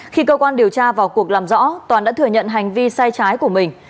khi cơ quan điều tra vào cuộc làm rõ toàn đã thừa nhận hành vi sai trái của mình